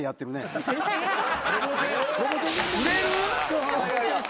売れる？